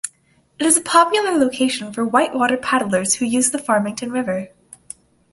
It is a popular location for whitewater paddlers who use the Farmington River.